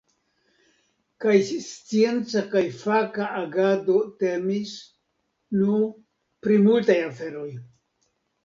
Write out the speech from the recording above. Kaj scienca kaj faka agado temis, nu pri multaj aferoj.